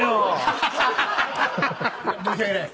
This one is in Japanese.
申し訳ない。